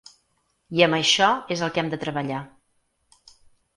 I amb això és el que hem de treballar.